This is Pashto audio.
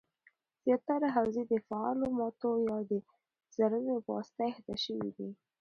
زیاتره حوزې د فعالو ماتو یا درزونو پواسطه احاطه شوي دي